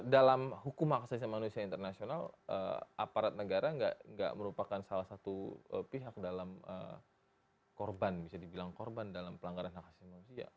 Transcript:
dalam hukum hak asasi manusia internasional aparat negara tidak merupakan salah satu pihak dalam korban bisa dibilang korban dalam pelanggaran hak asasi manusia